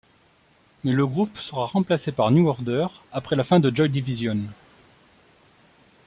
Mais le groupe sera remplacé par New Order après la fin de Joy Division.